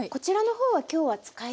はい。